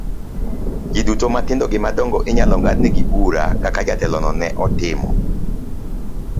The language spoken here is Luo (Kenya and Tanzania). Ji duto matindo gi madongo inyalo ng'adnegi bura kaka jatelo no ne otimo.